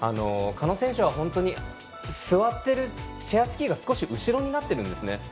狩野選手は本当に座っているチェアスキーが少し後ろになっているんですね。